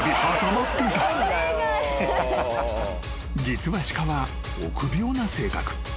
［実は鹿は臆病な性格］